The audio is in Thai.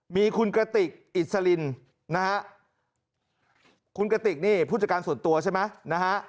มีคุณกติกอิสลินนะฮะคุณกติกนี่ผู้จัดการส่วนตัวใช่ไหมนะฮะ